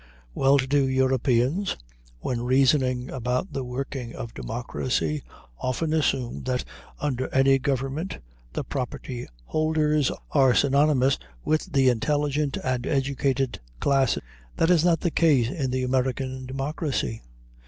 Well to do Europeans, when reasoning about the working of democracy, often assume that under any government the property holders are synonymous with the intelligent and educated class. That is not the case in the American democracy.